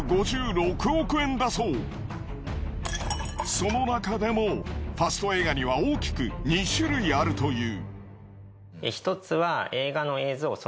その中でもファスト映画には大きく２種類あるという。